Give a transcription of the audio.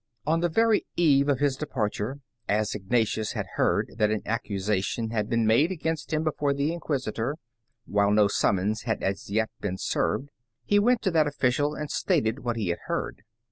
On the very eve of his departure, as Ignatius had heard that an accusation had been made against him before the Inquisitor, while no summons had as yet been served, he went to that official and stated what he had heard.